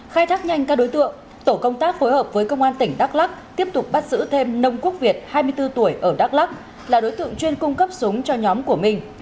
khai thác nhanh các đối tượng tổ công tác phối hợp với công an tỉnh đắk lắc tiếp tục bắt giữ thêm nông quốc việt hai mươi bốn tuổi ở đắk lắc là đối tượng chuyên cung cấp súng cho nhóm của mình